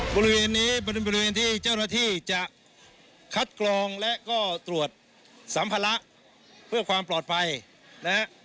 บริเวณนี้บริเวณที่เจ้าหน้าที่จะคัดกรองและก็ตรวจสัมภาระเพื่อความปลอดภัยนะฮะ